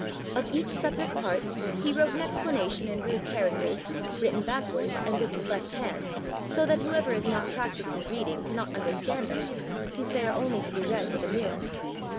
Of each separate part he wrote an explanation in rude char acters, written backwards and with the left hand, so that whoever is not practised in reading cannot understand them, since they are only to be read with a mirror.